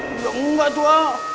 enggak enggak itu ah